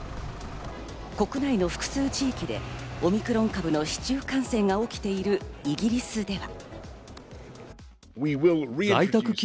国内の複数地域でオミクロン株の市中感染が起きているイギリスでは。